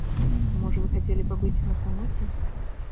Можа, вы хацелі пабыць на самоце?